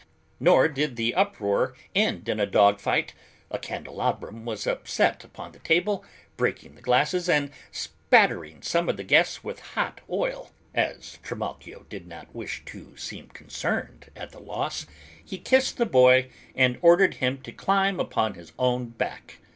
Nor did the uproar end in a dog fight, a candelabrum was upset upon the table, breaking the glasses and spattering some of the guests with hot oil. As Trimalchio did not wish to seem concerned at the loss, he kissed the boy and ordered him to climb upon his own back.